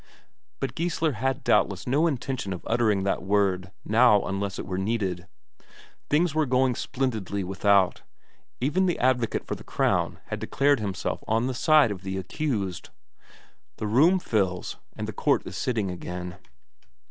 But Geissler had doubtless no intention of uttering that word now unless it were needed. Things were going splendidly without; even the advocate for the Crown had declared himself on the side of the accused. The room fills, and the court is sitting again.